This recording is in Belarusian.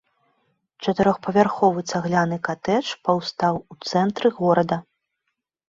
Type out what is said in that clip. Чатырохпавярховы цагляны катэдж паўстаў у цэнтры горада.